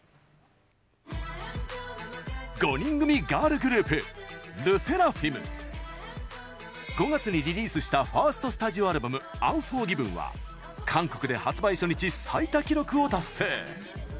５人組ガールグループＬＥＳＳＥＲＡＦＩＭ。５月にリリースしたファーストスタジオアルバム「ＵＮＦＯＲＧＩＶＥＮ」は韓国で発売初日最多記録を達成。